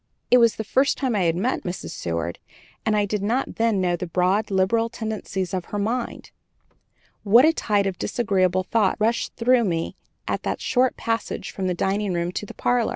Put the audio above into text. It was the first time I had met Mrs. Seward, and I did not then know the broad, liberal tendencies of her mind. What a tide of disagreeable thoughts rushed through me in that short passage from the dining room to the parlor.